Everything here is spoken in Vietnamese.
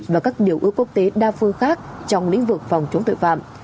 và các điều ước quốc tế đa phương khác trong lĩnh vực phòng chống tội phạm